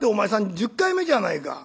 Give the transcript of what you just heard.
１０回目じゃないか」。